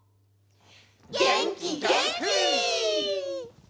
げんきげんき！